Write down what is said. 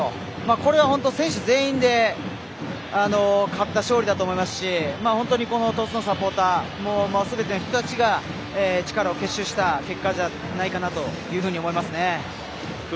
これは本当に選手全員で勝った勝利だと思いますし本当に鳥栖のサポーターすべての人たちが力を結集した結果じゃないかなというふうに思いますね。